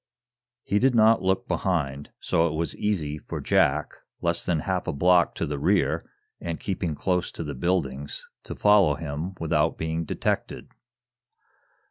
He did not look behind, so it was easy for Jack, less than half a block to the rear, and keeping close to the buildings, to follow without being detected.